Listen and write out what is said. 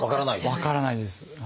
分からないです。